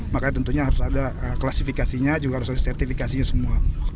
makanya tentunya harus ada klasifikasinya juga harus ada sertifikasinya semua